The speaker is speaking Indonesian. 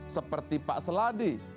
seperti pak seladi